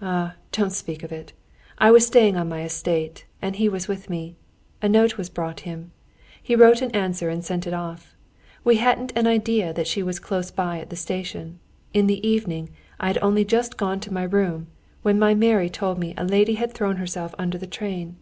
"Ah, don't speak of it! I was staying on my estate, and he was with me. A note was brought him. He wrote an answer and sent it off. We hadn't an idea that she was close by at the station. In the evening I had only just gone to my room, when my Mary told me a lady had thrown herself under the train.